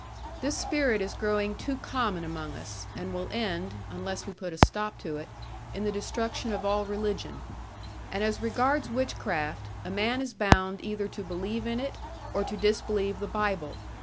This spirit is growing too common among us, and will end (unless we put a stop to it!) in the destruction of all religion. And as regards witchcraft, a man is bound either to believe in it, or to disbelieve the Bible.